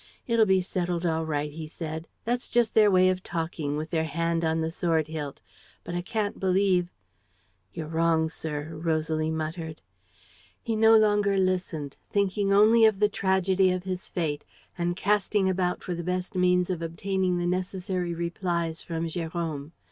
"It'll be settled all right," he said. "That's just their way of talking, with their hand on the sword hilt; but I can't believe ..." "You're wrong, sir," Rosalie muttered. He no longer listened, thinking only of the tragedy of his fate and casting about for the best means of obtaining the necessary replies from Jérôme.